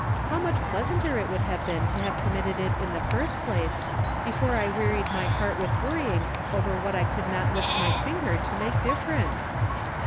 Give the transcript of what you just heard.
How much pleasanter it would have been to have committed it in the first place, before I wearied my heart with worrying over what I could not lift my finger to make different!